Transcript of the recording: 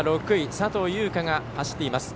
佐藤悠花が走っています。